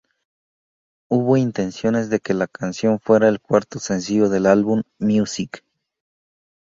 Hubo intenciones de que la canción fuera el cuarto sencillo del álbum "Music".